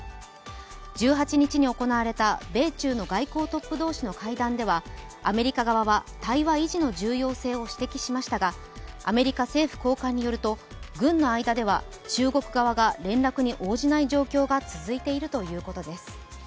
１８日に行われた米中の外交トップ同士の会談では、アメリカ側は対話維持の重要性を指摘しましたがアメリカ政府高官によると軍の間では、中国側が連絡に応じない状況が続いているということです。